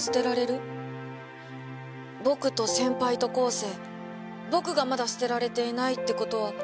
僕と先輩と昴生僕がまだ捨てられていないってことは。